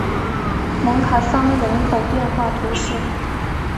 蒙卡桑人口变化图示